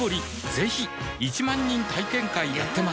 ぜひ１万人体験会やってます